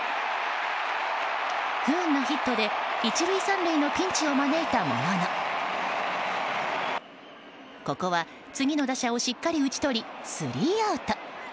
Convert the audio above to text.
不運なヒットで１塁３塁のピンチを招いたもののここは次の打者をしっかり打ち取りスリーアウト。